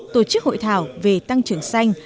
một chiếc hội thảo về tăng trưởng xanh